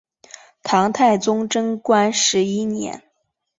唐太宗贞观十一年。